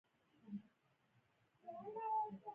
د دې مفکورې نچوړ يوه مهمه خبره وه.